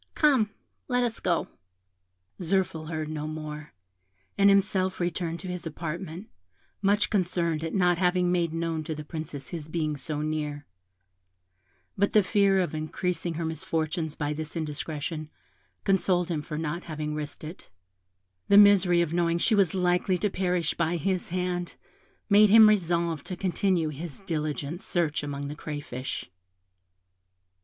Come, let us go." Zirphil heard no more, and himself returned to his apartment, much concerned at not having made known to the Princess his being so near her; but the fear of increasing her misfortunes by this indiscretion, consoled him for not having risked it; the misery of knowing she was likely to perish by his hand made him resolve to continue his diligent search amongst the crayfish.